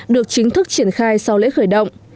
được chính thức triển khai sau lễ khởi động